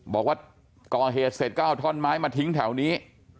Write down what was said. บอกว่าก่อเหตุเสร็จก็เอาท่อนไม้มาทิ้งแถวนี้